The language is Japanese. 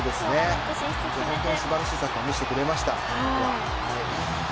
素晴らしいサッカーを見せてくれました。